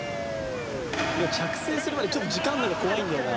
いや着水するまでちょっと時間あるのが怖いんだよな。